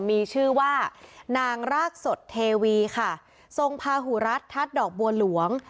มีชื่อว่านางรากสดเทวีค่ะทรงพาหูรัฐทัศน์ดอกบัวหลวง